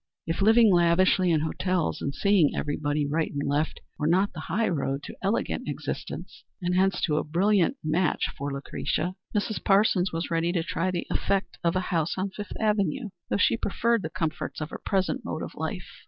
If living lavishly in hotels and seeing everybody right and left were not the high road to elegant existence and hence to a brilliant match for Lucretia, Mrs. Parsons was ready to try the effect of a house on Fifth Avenue, though she preferred the comforts of her present mode of life.